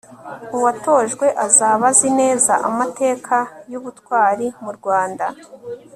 uwatojwe azaba azi neza amateka y'ubutwari mu rwanda